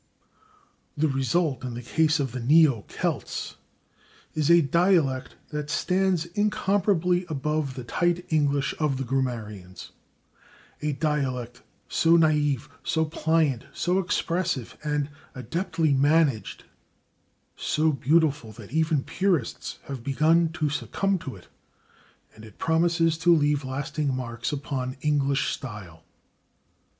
The result, in the case of the neo Celts, is a dialect that stands incomparably above the tight English of the grammarians a dialect so naïf, so pliant, so expressive, and, adeptly managed, so beautiful that even purists have begun to succumb to it, and it promises to leave lasting marks upon English style.